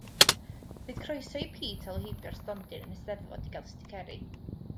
Bydd croeso i Pete alw heibio'r stondin yn y 'steddfod i gael sticeri.